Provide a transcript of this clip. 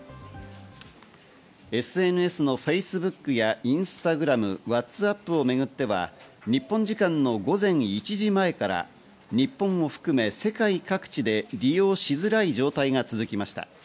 ＳＮＳのＦａｃｅｂｏｏｋやＩｎｓｔａｇｒａｍ、ＷｈａｔｓＡｐｐをめぐっては、日本時間の午前１時前から日本を含め世界各地で利用しづらい状態が続きました。